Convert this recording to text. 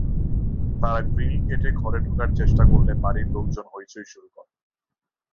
তারা গ্রিল কেটে ঘরে ঢোকার চেষ্টা করলে বাড়ির লোকজন হইচই শুরু করেন।